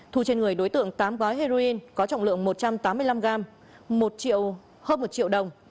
thu trên người đối tượng tám gói heroin có trọng lượng một trăm tám mươi năm gram một triệu hơn một triệu đồng